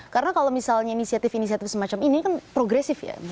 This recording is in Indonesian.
karena kalau misalnya inisiatif inisiatif semacam ini kan progresif ya